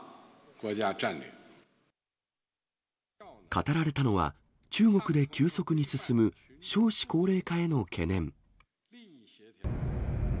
語られたのは、中国で急速に進む少子高齢化への懸念。